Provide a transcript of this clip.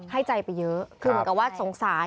ให้ใจไปเยอะ